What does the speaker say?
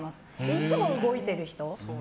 いつも動いている人。